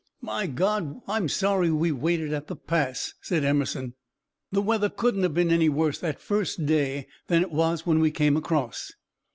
"My God! I'm sorry we waited at the Pass," said Emerson. "The weather couldn't have been any worse that first day than it was when we came across."